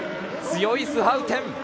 強いスハウテン。